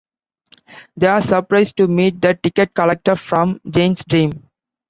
They are surprised to meet the ticket collector from Jane's dream.